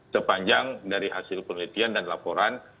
sepanjang dari hasil penelitian dan laporan